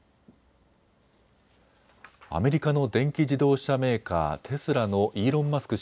アメリカの電気自動車メーカー、テスラのイーロン・マスク